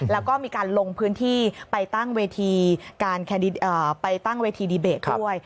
แล้วก็มีการลงพื้นที่ไปตั้งเวทีดีเบตด้วย